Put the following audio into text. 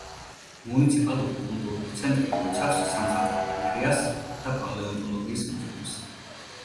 მუნიციპალური კულტურული ცენტრი მოიცავს სამხატვრო გალერეას და პალეონტოლოგიის მუზეუმს.